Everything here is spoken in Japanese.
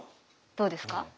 どうですか？